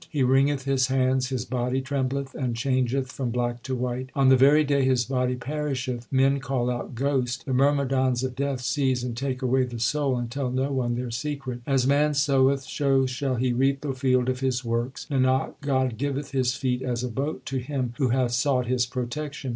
He wringeth his hands, his body trembleth, and changeth from black to white. On the very day his body perisheth men call out * ghost ! The myrmidons of Death seize and take away the soul, and tell no one their secret. 1 As man soweth, so shall he reap the field of his works. Nanak, God giveth His feet as a boat to him who hath sought His protection.